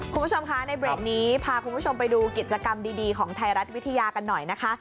คุณผู้ชมคะในเบรกนี้พาคุณผู้ชมไปดูกิจกรรมดีของไทยรัฐวิทยากันหน่อยนะคะ